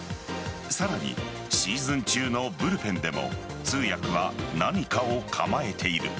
さらにシーズン中のブルペンでも通訳は何かを構えている。